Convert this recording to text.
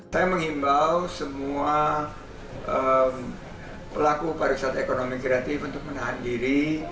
saya mengimbau semua pelaku pariwisata ekonomi kreatif untuk menahan diri